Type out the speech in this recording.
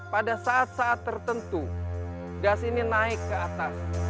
pada saat saat tertentu gas ini naik ke atas